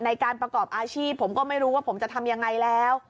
ในการประกอบอาชีพผมก็ไม่รู้ว่าผมจะทำยังไงแล้ว